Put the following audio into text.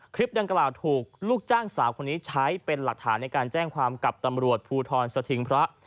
คลิปดังกล่าวถูกลูกจ้างสาวคนนี้ใช้เป็นหลักฐานในการแจ้งความกับตำรวจภูทรสถิงพระ